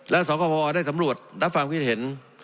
และสคพได้สำรวจรับความคิดเห็น